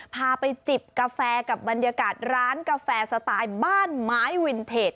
พาไปจิบกาแฟกับบรรยากาศร้านกาแฟสไตล์บ้านไม้วินเทจ